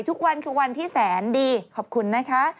ทุกวันคือวันที่แสนดีขอบคุณนะคะ